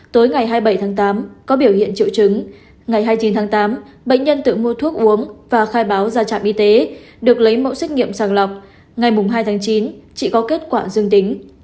tối ngày hai mươi bảy tháng tám có biểu hiện triệu chứng ngày hai mươi chín tháng tám bệnh nhân tự mua thuốc uống và khai báo ra trạm y tế được lấy mẫu xét nghiệm sàng lọc ngày hai tháng chín chị có kết quả dương tính